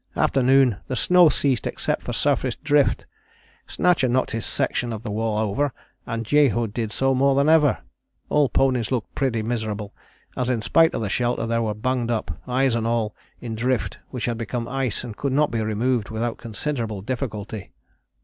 After noon the snow ceased except for surface drift. Snatcher knocked his section of the wall over, and Jehu did so more than ever. All ponies looked pretty miserable, as in spite of the shelter they were bunged up, eyes and all, in drift which had become ice and could not be removed without considerable difficulty."